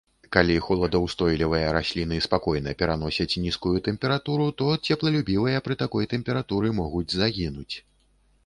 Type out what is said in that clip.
Калі холадаўстойлівыя расліны спакойна пераносяць нізкую тэмпературу, то цеплалюбівыя пры такой тэмпературы могуць загінуць.